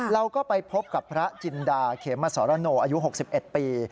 เราก็ไปพบกับพระจินดาเขมสรโนอายุ๖๑ปี